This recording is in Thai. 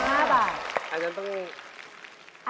อันนั้นต้อง